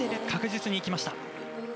確実に行きました。